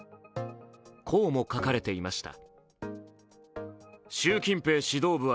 こうも書かれていました。